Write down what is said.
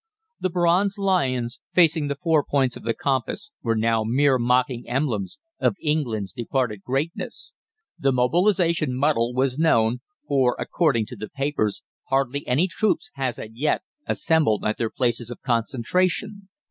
The bronze lions facing the four points of the compass were now mere mocking emblems of England's departed greatness. The mobilisation muddle was known; for, according to the papers, hardly any troops had as yet assembled at their places of concentration.